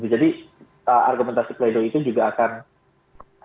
jadi argumentasi play doh ing itu juga akan saya rasa dinegasikan